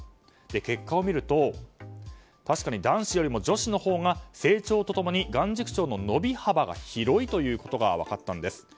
結果を見ると確かに男子よりも女子のほうが成長と共に眼軸長の伸び幅が広いことが分かったんです。